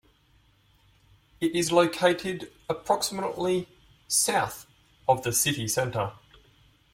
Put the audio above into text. It is located approximately south of the city centre.